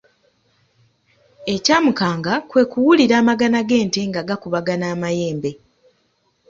Ekyamukanga kwe kuwulira amagana g’ente nga gakubagana amayembe.